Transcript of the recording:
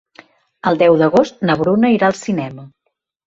El deu d'agost na Bruna irà al cinema.